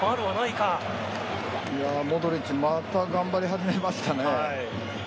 モドリッチまた頑張り始めましたね。